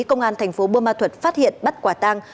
công an thành phố bơ ma thuật phát hiện bắt quả tang